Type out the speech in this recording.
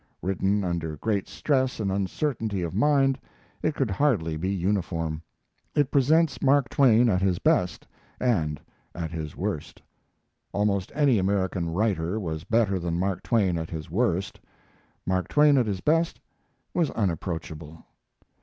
Written under great stress and uncertainty of mind, it could hardly be uniform. It presents Mark Twain at his best, and at his worst. Almost any American writer was better than Mark Twain at his worst: Mark Twain at his best was unapproachable.